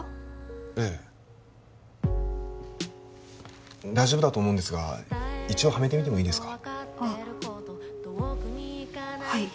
ええ大丈夫だと思うんですが一応はめてみてもいいですか？